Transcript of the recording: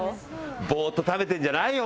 ボーッと食べてんじゃないよ！